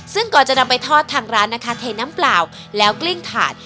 ซึ่งก่อนจะนำไปทอดทางร้านนะคะเทน้ำเปล่าแล้วกลิ้งถาด